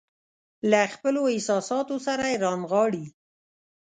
له خپلو احساساتو سره يې رانغاړي.